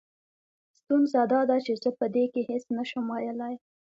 ستونزه دا ده چې زه په دې کې هېڅ نه شم ويلې.